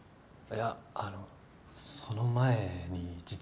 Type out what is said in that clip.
いやあのその前に実は。